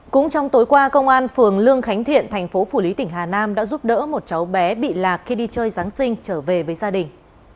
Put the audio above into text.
cũng trong tối qua công an phường lương khánh thiện thành phố phủ lý tỉnh hà nam đã giúp đỡ một cháu bé bị lạc khi đi chơi giáng sinh trở về với gia đình